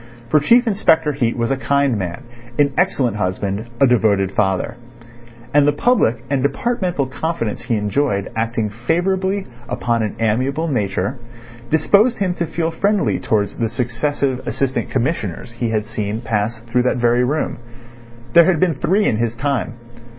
For Chief Inspector Heat was a kind man, an excellent husband, a devoted father; and the public and departmental confidence he enjoyed acting favourably upon an amiable nature, disposed him to feel friendly towards the successive Assistant Commissioners he had seen pass through that very room. There had been three in his time.